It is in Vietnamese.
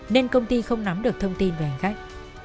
nên công ty không nắm được thông tin về hành khách